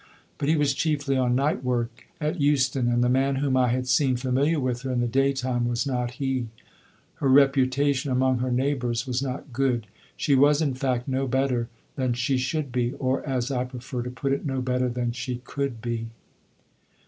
But he was chiefly on night work at Euston, and the man whom I had seen familiar with her in the daytime was not he. Her reputation among her neighbours was not good. She was, in fact, no better than she should be or, as I prefer to put it, no better than she could be.